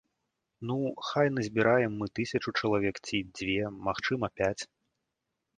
Ну, хай назбіраем мы тысячу чалавек, ці дзве, магчыма пяць.